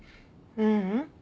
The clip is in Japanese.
ううん。